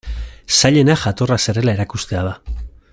Zailena jatorra zarela erakustea da.